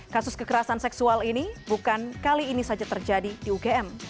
kasus kekerasan seksual ini bukan kali ini saja terjadi di ugm